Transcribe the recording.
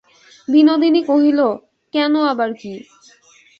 বিনোদিনী কহিল, কেন আবার কী।